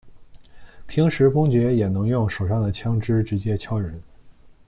平时公爵也能用手上的枪枝直接敲人。